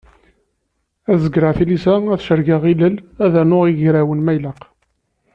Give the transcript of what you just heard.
Ad zegreɣ tilisa, ad cargeɣ ilel ad rnuɣ igrawen ma ilaq.